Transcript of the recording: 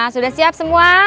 sudah siap semua